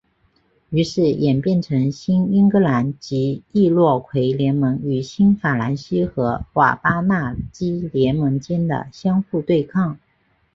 于是演变成新英格兰及易洛魁联盟与新法兰西和瓦巴纳基联盟间的相互对抗。